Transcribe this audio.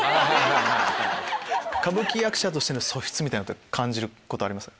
歌舞伎役者としての素質って感じることあります？